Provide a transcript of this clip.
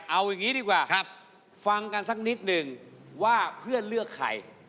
เอาอย่างนี้ดีกว่าฟังกันสักนิดหนึ่งว่าเพื่อนเลือกใคร